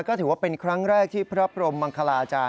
ก็ถือว่าเป็นครั้งแรกที่พระพรมมังคลาอาจารย